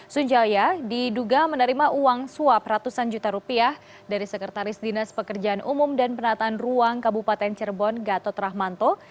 sunjaya diduga menerima uang suap ratusan juta rupiah dari sekretaris dinas pekerjaan umum dan penataan ruang kabupaten cirebon gatot rahmanto